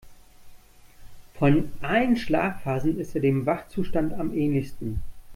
Von allen Schlafphasen ist er dem Wachzustand am ähnlichsten.